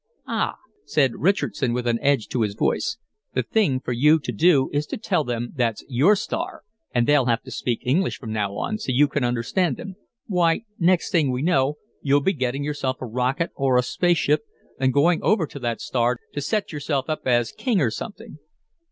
"Ah," said Richardson with an edge to his voice, "the thing for you to do is to tell them that's your star, and they'll have to speak English from now on, so you can understand them. Why, next thing we know, you'll be getting yourself a rocket or a space ship and going over to that star to set yourself up as king or something."